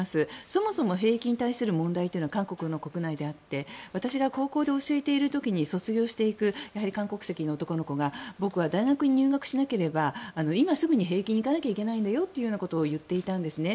そもそも兵役に関する問題というのは韓国の国内であって私が高校で教えている時に卒業していく韓国籍の男の子が僕は大学に入学しなければ今すぐ兵役に行かなければいけないんだよと言っていたんですね。